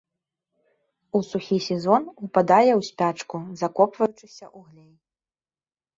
У сухі сезон упадае ў спячку, закопваючыся ў глей.